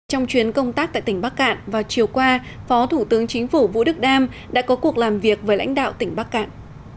trong chuyến công tác tại tỉnh bắc cạn vào chiều qua phó thủ tướng chính phủ vũ đức đam đã có cuộc làm việc với lãnh đạo tỉnh bắc cạn